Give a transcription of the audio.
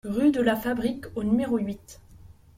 Rue de la Fabrique au numéro huit